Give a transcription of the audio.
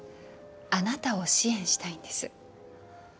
あなたを支援したいんです